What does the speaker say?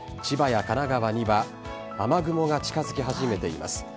千葉や神奈川には雨雲が近づき始めています。